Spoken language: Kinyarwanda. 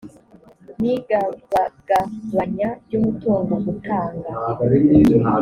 n igabagabanya ry umutungo gutanga